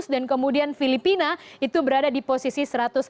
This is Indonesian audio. dan kemudian filipina itu berada di posisi satu ratus tiga belas